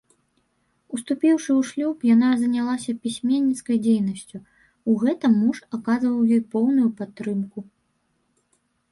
Уступіўшы ў шлюб, яна занялася пісьменніцкай дзейнасцю, у гэтым муж аказваў ёй поўную падтрымку.